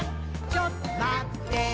ちょっとまってぇー」